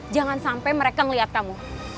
jangan sampai mereka ngeliat kamu